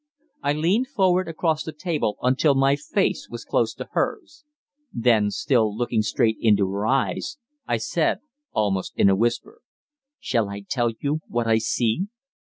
I leaned forward across the table until my face was close to hers. Then, still looking straight into her eyes, I said, almost in a whisper: "Shall I tell you what I see?